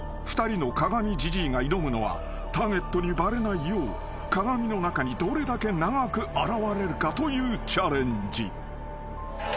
２人の鏡じじいが挑むのはターゲットにバレないよう鏡の中にどれだけ長く現れるかというチャレンジ］